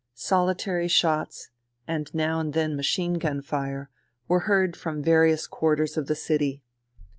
Solitary shots, and now and then machine gun fire, were heard from various quarters of the city.